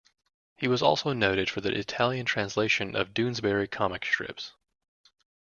He was also noted for the Italian translation of "Doonesbury" comic strips.